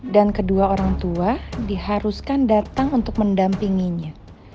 dan kedua orang tua diharuskan datang untuk mendampinginya